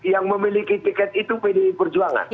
yang memiliki tiket itu pdi perjuangan